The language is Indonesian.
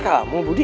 gak ada kamu budi